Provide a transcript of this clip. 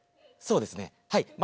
そうですねはい。